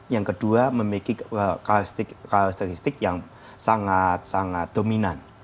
yang kedua memiliki karakteristik yang sangat sangat dominan